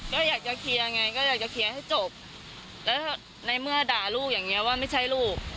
ก็อยากจะเคลียร์ไงก็อยากจะเคลียร์ให้จบแล้วในเมื่อด่าลูกอย่างเงี้ว่าไม่ใช่ลูก